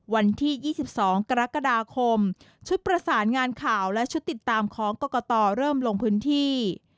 วันที่๒๒กรกฎาคมชุดประสานงานข่าวและชุดติดตามของกรกตเริ่มลงพื้นที่